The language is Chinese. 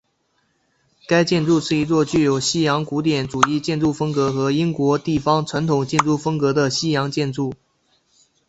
该建筑是一座具有西洋古典主义建筑风格和英国地方传统建筑风格的西洋建筑。